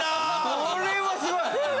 これはすごい！